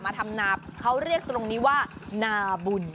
ทำนาเขาเรียกตรงนี้ว่านาบุญ